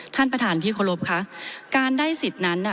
ท่านประธานที่เคารพคะการได้สิทธิ์นั้นน่ะ